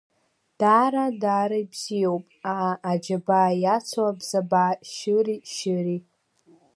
Даара, даара ибзиоуп, аа, аџьа иацу абзабаа, шьыри-шьыри…